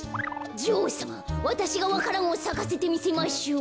じょおうさまわたしがわか蘭をさかせてみせましょう。